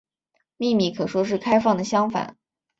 秘密可说是开放的相反。